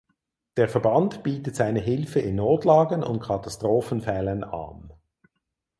Der Verband bietet seine Hilfe in Notlagen und Katastrophenfällen an.